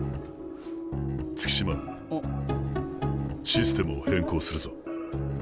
システムを変更するぞ。